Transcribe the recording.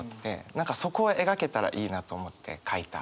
何かそこを描けたらいいなと思って書いた歌ですね。